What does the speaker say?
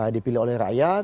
dipilih oleh rakyat